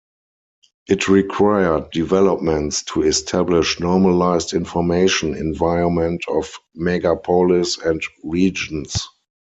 It required developments to establish normalized information environment of megapolis and regions.